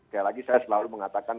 saya lagi selalu mengatakan